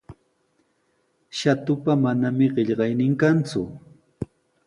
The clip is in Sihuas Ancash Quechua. Shatupa manami qillaynin kanku.